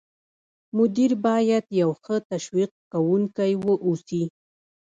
مدیر باید یو ښه تشویق کوونکی واوسي.